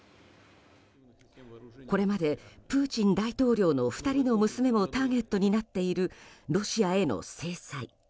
これまでプーチン大統領の２人の娘もターゲットになっているロシアへの制裁。